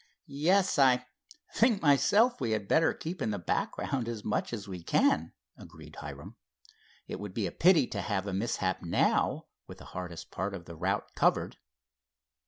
"Yes, I think myself we had better keep in the background as much as we can," agreed Hiram. "It would be a pity to have a mishap now, with the hardest part of the route covered."